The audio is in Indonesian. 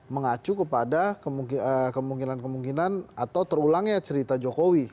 mengacu kepada kemungkinan kemungkinan atau terulangnya cerita jokowi